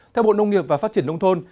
theo bộ nông nghiệp và phát triển nông thôn